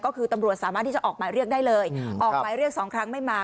ก็คือตำรวจสามารถที่จะออกหมายเรียกได้เลยออกหมายเรียกสองครั้งไม่มา